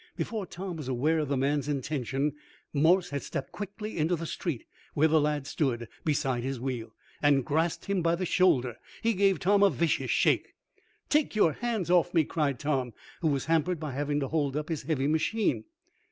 Before Tom was aware of the man's intention, Morse had stepped quickly into the street, where the lad stood beside his wheel, and grasped him by the shoulder. He gave Tom a vicious shake. "Take your hand off me!" cried Tom, who was hampered by having to hold up his heavy machine.